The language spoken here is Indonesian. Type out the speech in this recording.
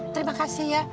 terima kasih ya